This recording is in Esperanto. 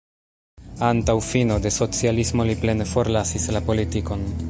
Antaŭ fino de socialismo li plene forlasis la politikon.